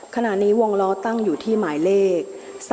ขณะนี้วงล้อตั้งอยู่ที่หมายเลข๓๔